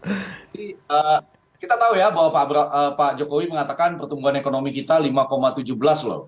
jadi kita tahu ya bahwa pak jokowi mengatakan pertumbuhan ekonomi kita lima tujuh belas loh